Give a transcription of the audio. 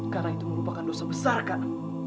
karena itu merupakan dosa besar kak